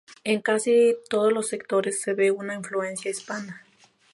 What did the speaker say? En casi todos los sectores se ve una influencia hispana.